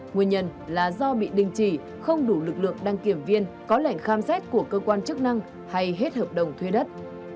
nguyên nhân là do bị đình chỉ không đủ lực lượng đăng kiểm viên có lệnh khám xét của cơ quan chức năng hay hết hợp đồng thuê đất